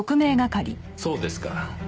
そうですか。